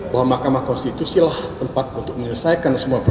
bahwa mahkamah konstitusi lah tempat untuk menyelesaikan perselisihan hasil pemilihan umum